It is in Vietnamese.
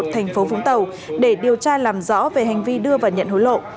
một mươi một tp vũng tàu để điều tra làm rõ về hành vi đưa và nhận hối lộ